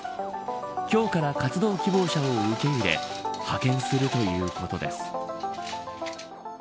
今日から活動希望者を受け入れ派遣するということです。